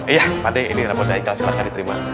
iya pak de ini robot haikal silahkan diterima